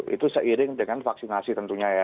itu seiring dengan vaksinasi tentunya ya